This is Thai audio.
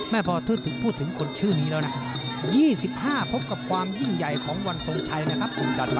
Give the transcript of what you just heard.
พอพูดถึงคนชื่อนี้แล้วนะ๒๕พบกับความยิ่งใหญ่ของวันทรงชัยนะครับคุณจันทร์